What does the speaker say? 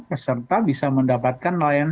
peserta bisa mendapatkan layan